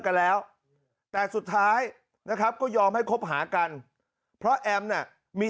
กันแล้วแต่สุดท้ายนะครับก็ยอมให้คบหากันเพราะแอมน่ะมี